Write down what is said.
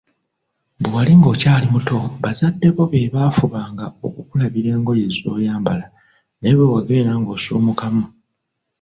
Bwe wali ng‘okyali muto, bazadde bo be bafubanga okukulabira engoye zoyambala, naye bwe wagenda ng‘osuumukamu